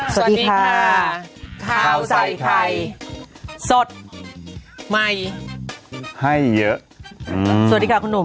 สวัสดีค่ะข้าวใส่ไข่สดใหม่ให้เยอะสวัสดีค่ะคุณหนุ่ม